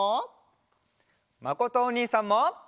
まことおにいさんも！